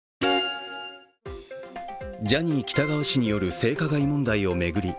ジャニー喜多川氏による性加害問題を巡り